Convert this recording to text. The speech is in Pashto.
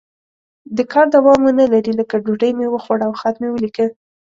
د کار دوام ونه لري لکه ډوډۍ مې وخوړه او خط مې ولیکه.